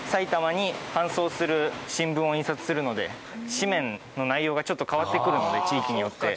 紙面の内容がちょっと変わってくるので地域によって。